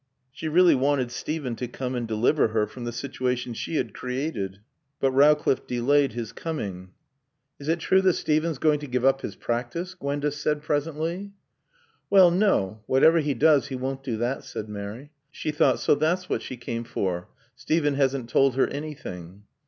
She really wanted Steven to come and deliver her from the situation she had created. But Rowcliffe delayed his coming. "Is it true that Steven's going to give up his practice?" Gwenda said presently. "Well no whatever he does he won't do that," said Mary. She thought, "So that's what she came for. Steven hasn't told her anything."